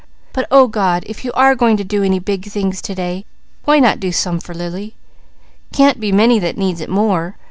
But O God, if You are going to do any big things to day, why not do some for Lily? Can't be many that needs it more.